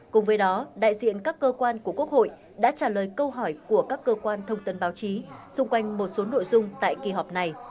cùng với đó đại diện các cơ quan của quốc hội đã trả lời câu hỏi của các cơ quan thông tấn báo chí xung quanh một số nội dung tại kỳ họp này